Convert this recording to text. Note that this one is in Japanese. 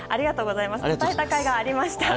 伝えたかいがありました。